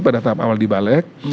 pada tahap awal dibalik